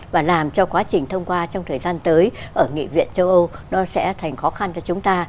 và làm cho quá trình thông qua trong thời gian tới ở nghị viện châu âu nó sẽ thành khó khăn cho chúng ta